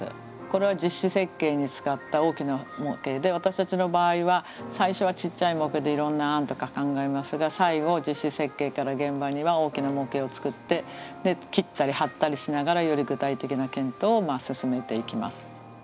これは実施設計に使った大きな模型で私たちの場合は最初はちっちゃい模型でいろんな案とか考えますが最後実施設計から現場には大きな模型を作って切ったり張ったりしながらより具体的な検討を進めていきます。